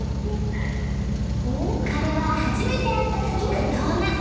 これは初めて会った時の動画。